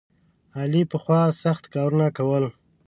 علي پخوا سخت کارونه کول.